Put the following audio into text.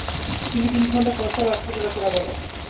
তিনি তিন খণ্ডে ফয়সলা আসমানি রচনা করেন।